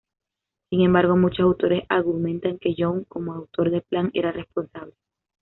Sin embargo, muchos autores argumentan que Young, como autor del plan, era responsable.